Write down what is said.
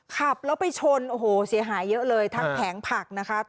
ขับแล้วไปชนโอ้โหเสียหายเยอะเลยทั้งแผงผักนะคะ